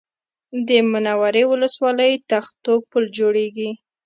د منورې ولسوالۍ تختو پل جوړېږي